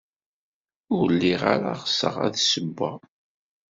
Ur lliɣ ara ɣseɣ ad d-ssewweɣ.